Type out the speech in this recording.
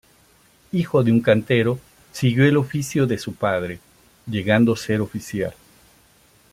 Hijo de un cantero, siguió el oficio de su padre, llegando ser oficial.